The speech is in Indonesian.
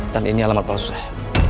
dan ini alamat palsu saya